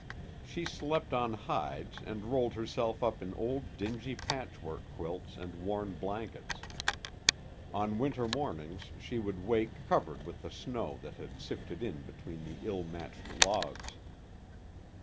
She slept on hides and rolled herself up in old dingy patchwork quilts and worn blankets. On winter mornings she would wake covered with the snow that had sifted in between the ill matched logs.